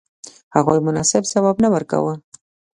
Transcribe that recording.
هغوی مناسب ځواب نه ورکاوه.